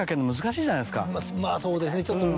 そうですねちょっと。